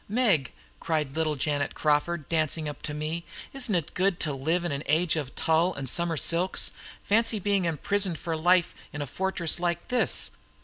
"Meg," cried little Janet Crawford, dancing up to me, "isn't it a good thing to live in the age of tulle and summer silks? Fancy being imprisoned for life in a fortress like this!"